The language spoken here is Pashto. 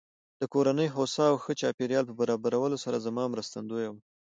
د کورنۍ هوسا او ښه چاپېريال په برابرولو سره زما مرستندويه وه.